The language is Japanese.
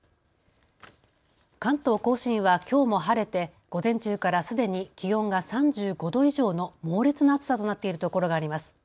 関東甲信はきょうも晴れて午前中からすでに気温が３５度以上の猛烈な暑さとなっているところがあります。